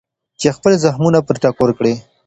چې خپل زخمونه پرې ټکور کړي.